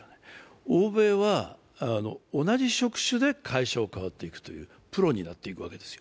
欧米は同じ職種で変えていく、プロになっていくわけですよ。